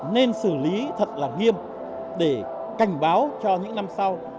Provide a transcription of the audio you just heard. nên xử lý thật là nghiêm để cảnh báo cho những năm sau